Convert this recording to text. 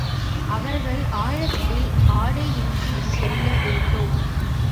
அவர்கள் ஆழத்தில் ஆடையின்றிச் செல்ல வேண்டும்.